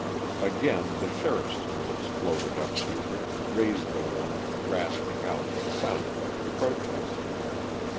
Again the sheriff's voice floated up to her, raised a little, rasping out what sounded like a protest.